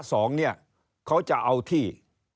เขาจะเอาที่